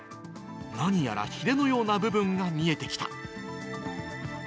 何やらひれのような部分が見えてきた。